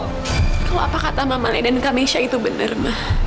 kalau apa kata mama le dan kamesha itu benar ma